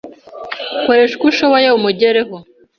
Koresha uko ushoboye umugereho